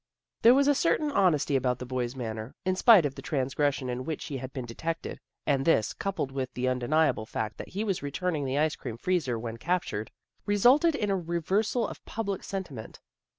There was a certain honesty about the boy's manner, in spite of the transgression hi which he had been detected, and this, coupled with the undeniable fact that he was returning the ice cream freezer when captured, resulted in a reversal of public sentiment.